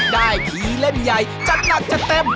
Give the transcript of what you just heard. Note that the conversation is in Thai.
ทีเล่มใหญ่จัดหนักจัดเต็ม